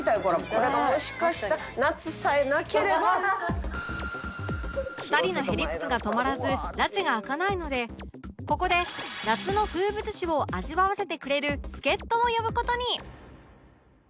これがもしかしたら２人の屁理屈が止まらずラチがあかないのでここで夏の風物詩を味わわせてくれる助っ人を呼ぶ事に